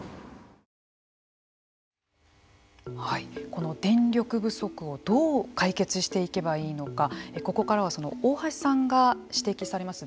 この電力不足をどう解決していけばいいのかここからは大橋さんが指摘されます